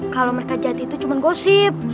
kalau mereka jadi itu cuma gosip